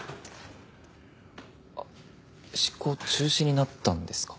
あっ執行中止になったんですか？